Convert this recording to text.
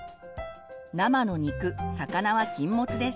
生の肉魚は禁物です。